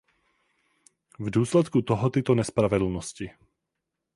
V důsledku toho tyto nepravidelnosti.